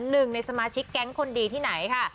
หนึ่งในสมาชิกแก๊งคนดีที่ไหนค่ะ